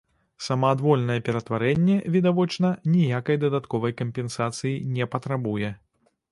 Самаадвольнае ператварэнне, відавочна, ніякай дадатковай кампенсацыі не патрабуе.